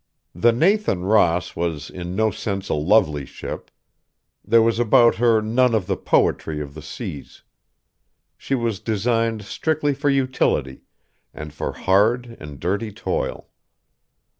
The Nathan Ross was in no sense a lovely ship. There was about her none of the poetry of the seas. She was designed strictly for utility, and for hard and dirty toil.